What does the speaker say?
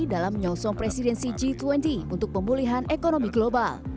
dalam menyosong presidensi g dua puluh untuk pemulihan ekonomi global